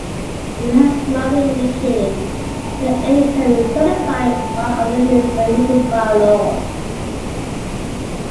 If it has not been indicated, the age can be certified by other means admitted by law.